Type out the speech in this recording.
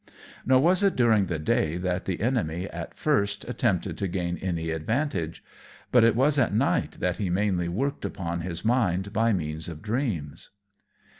Nor was it during the day that the enemy, at first, attempted to gain any advantage; but it was at night that he mainly worked upon his mind by means of dreams.